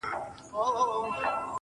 د دې نړۍ انسان نه دی په مخه یې ښه~